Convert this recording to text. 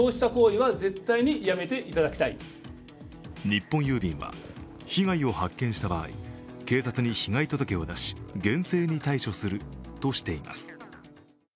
日本郵便は、被害を発見した場合警察に被害届を出し厳正に対処するとしています。